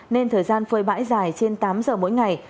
nên thời gian phơi bãi dài trên tám giờ mỗi ngày